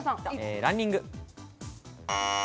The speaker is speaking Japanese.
ランニング。